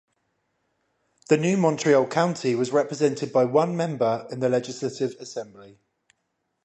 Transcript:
The new Montreal County was represented by one member in the Legislative Assembly.